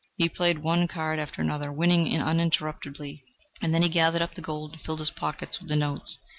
He played one card after the other, winning uninterruptedly, and then he gathered up the gold and filled his pockets with the notes.